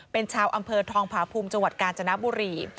เป็นชาวอำเภอทองผาภูมิจังหวัดกาญจนบุรี